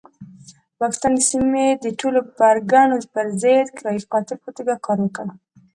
پاکستان د سیمې د ټولو پرګنو پرضد د کرایي قاتل په توګه کار وکړ.